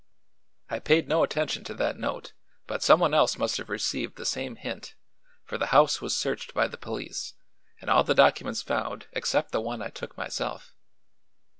I paid no attention to that note but some one else must have received the same hint, for the house was searched by the police and all the documents found except the one I took myself."